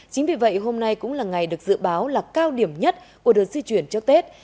chính vì vậy hôm nay cũng là ngày được dự báo là cao điểm nhất của đợt di chuyển trước tết